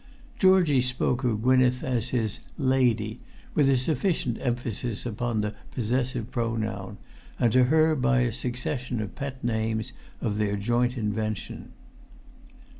Georgie spoke of Gwynneth as his "lady," with a sufficient emphasis upon the possessive pronoun, and to her by a succession of pet names of their joint invention.